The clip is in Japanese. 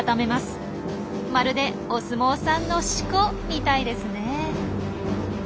まるでお相撲さんの「四股」みたいですね。